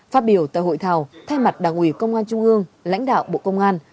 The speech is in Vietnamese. phát biểu tại hội thảo thay mặt đảng ủy công an trung ương lãnh đạo bộ công an